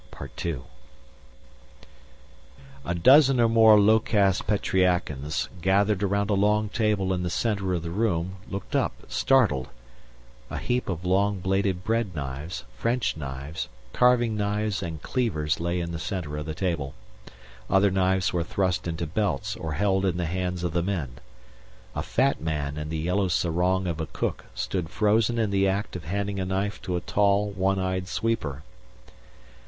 II A dozen or more low caste Petreacans, gathered around a long table in the center of the room looked up, startled. A heap of long bladed bread knives, French knives, carving knives and cleavers lay in the center of the table. Other knives were thrust into belts or held in the hands of the men. A fat man in the yellow sarong of a cook stood frozen in the act of handing a knife to a tall one eyed sweeper.